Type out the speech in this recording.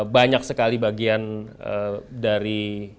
banyak sekali bagian dari